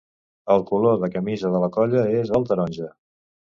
El color de camisa de la colla és el taronja.